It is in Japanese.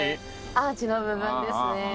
アーチの部分ですね。